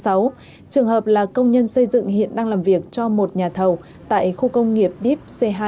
trường hợp là công nhân xây dựng hiện đang làm việc cho một nhà thầu tại khu công nghiệp deep c hai